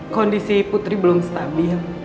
kondisi putri belum stabil